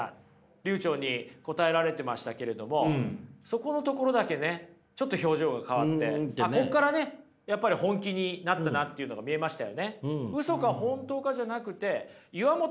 流ちょうに答えられてましたけれどもそこのところだけねちょっと表情が変わってここからねやっぱり本気になったなっていうのが見えましたよね。